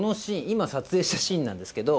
今撮影したシーンなんですけど。